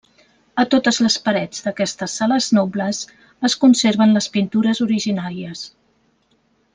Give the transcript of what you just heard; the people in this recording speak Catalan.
A totes les parets d'aquestes sales nobles es conserven les pintures originàries.